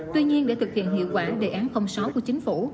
tuy nhiên để thực hiện hiệu quả đề án sáu của chính phủ